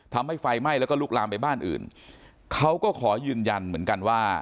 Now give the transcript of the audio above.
ทำให้ไฟไหม้แล้วก็ลุกลามไปบ้านอื่นเขาก็ขอยืนยันเหมือนกันว่า